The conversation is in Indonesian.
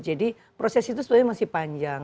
jadi proses itu sebenarnya masih panjang